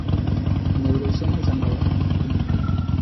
Neure izena izango da?